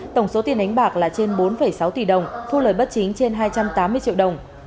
tổng số tiền đánh bạc là trên bốn sáu tỷ đồng thu lời bất chính trên hai trăm tám mươi triệu đồng